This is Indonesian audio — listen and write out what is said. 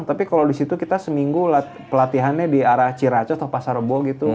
tapi kalau disitu kita seminggu pelatihannya di arah ciraco atau pasarobo gitu